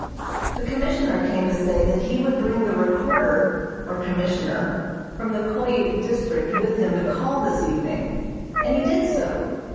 The Commissioner came to say that he would bring the Recorder, or Commissioner, from the Koyuk district with him to call this evening, and he did so.